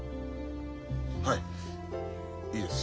はいいいです。